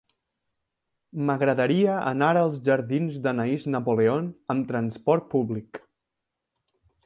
M'agradaria anar als jardins d'Anaïs Napoleon amb trasport públic.